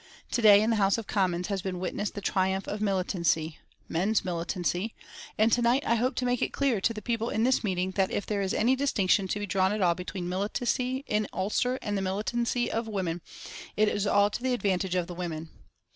To day in the House of Commons has been witnessed the triumph of militancy men's militancy and to night I hope to make it clear to the people in this meeting that if there is any distinction to be drawn at all between militancy in Ulster and the militancy of women, it is all to the advantage of the women.